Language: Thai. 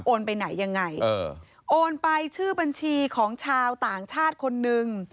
ไปไหนยังไงเออโอนไปชื่อบัญชีของชาวต่างชาติคนนึง